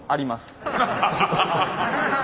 ハハハハハ！